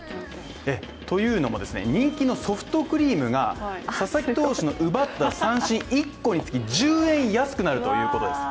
というのも、人気のソフトクリームが佐々木投手の奪った三振１個につき１０円安くなるということです。